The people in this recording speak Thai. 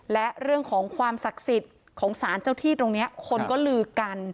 และเรื่องของความศักดิ์สิทธิ์ของสารเจ้าที่ตรงนี้คนก็ลือกัน